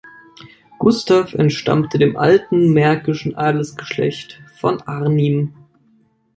Gustav entstammte dem alten märkischen Adelsgeschlecht von Arnim.